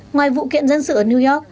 ngoài vụ kiện dân sự ở new york